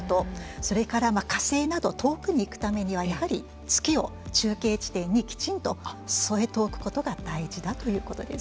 それから、火星など遠くに行くためにはやはり月を中継地点にきちんと添えておくことが大事だということです。